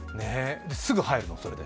すぐ入るの、それで？